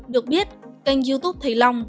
được biết kênh youtube thầy long